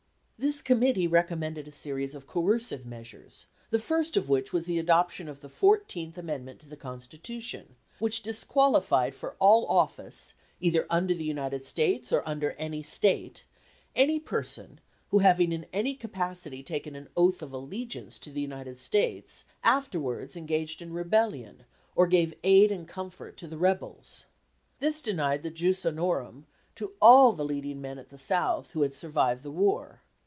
This Committee recommended a series of coercive measures, the first of which was the adoption of the fourteenth amendment to the Constitution, which disqualified for all office, either under the United States or under any State, any person who having in any capacity taken an oath of allegiance to the United States afterwards engaged in rebellion or gave aid and comfort to the rebels. This denied the jus honorum to all the leading men at the South who had survived the war.